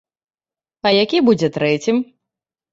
А які будзе трэцім?